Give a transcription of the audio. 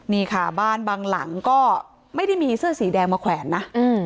นี่ค่ะบ้านบางหลังก็ไม่ได้มีเสื้อสีแดงมาแขวนนะ